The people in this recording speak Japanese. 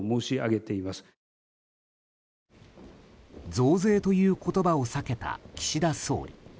増税という言葉を避けた岸田総理。